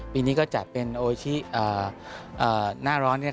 ปีนี้ก็จัดเป็นโอชีหน้าร้อน